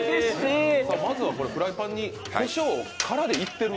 まずはフライパンにこしょうをからでいっている。